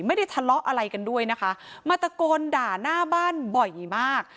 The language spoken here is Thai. ไม่ได้ทะเลาะอะไรกันด้วยนะคะมาตะโกนด่าหน้าบ้านบ่อยมาก